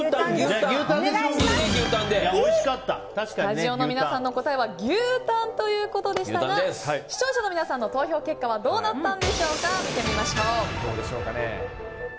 スタジオの皆さんの答えは牛タンということでしたが視聴者の皆さんの投票結果を見てみましょう。